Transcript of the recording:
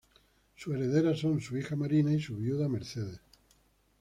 Sus herederas son su hija Marina y su viuda Mercedes.